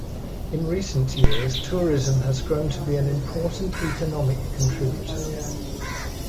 In recent years tourism has grown to be an important economic contributor.